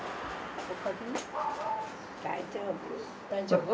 大丈夫。